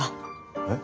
えっ？